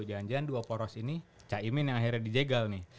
jangan jangan dua poros ini cak iman yang akhirnya dijegal nih